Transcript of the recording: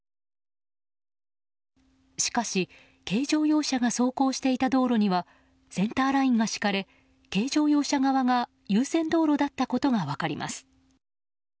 しかし、軽乗用車が走行していた道路にはセンターラインが敷かれ軽乗用車側が優先道路だったことが分かります。